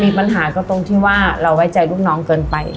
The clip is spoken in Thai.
ปัญหาก็ตรงที่ว่าเราไว้ใจลูกน้องเกินไป